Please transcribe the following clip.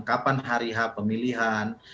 kapan hari ha pemilihan